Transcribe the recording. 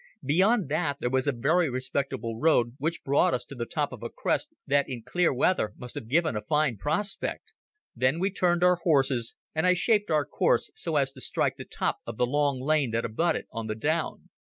Beyond that there was a very respectable road which brought us to the top of a crest that in clear weather must have given a fine prospect. Then we turned our horses, and I shaped our course so as to strike the top of the long lane that abutted on the down.